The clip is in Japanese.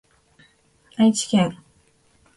愛知県扶桑町